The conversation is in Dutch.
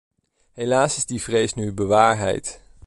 Helaas is die vrees nu bewaarheid.